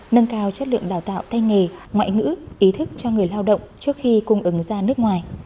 nâng cao chất lượng đào tạo tay nghề ngoại ngữ ý thức cho người lao động trước khi cung ứng ra nước ngoài